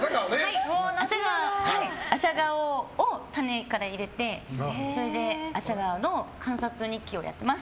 朝顔を種から入れて朝顔の観察日記をやってます。